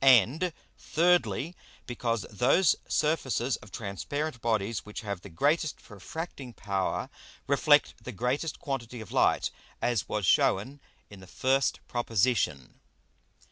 And, Thirdly, because those Surfaces of transparent Bodies which have the greatest refracting power, reflect the greatest quantity of Light, as was shewn in the first Proposition.